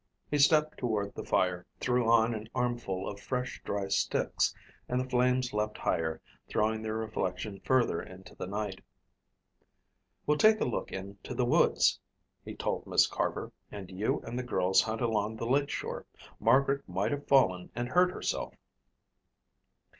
He stepped toward the fire, threw on an armful of fresh, dry sticks, and the flames leaped higher, throwing their reflection further into the night. "We'll take a look into the woods," he told Miss Carver, "and you and the girls hunt along the lake shore. Margaret might have fallen and hurt herself."